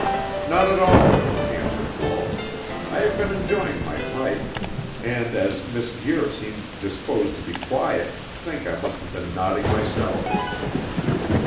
"Not at all," answered Paul, "I have been enjoying my pipe, and as Miss Guir seemed disposed to be quiet, think I must have been nodding myself."